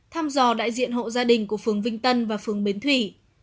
thăm dò đại diện hộ gia đình của phường vinh tân và phường bến thủy